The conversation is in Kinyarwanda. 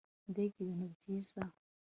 Mbega ibintu byiza